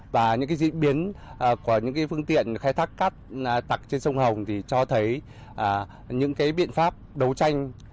và những diễn biến của những phương tiện khai thác cát tặc trên sông hồng thì cho thấy những biện pháp đấu tranh